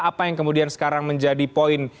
apa yang kemudian sekarang menjadi poin